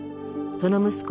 その息子